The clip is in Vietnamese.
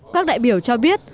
các đại biểu cho biết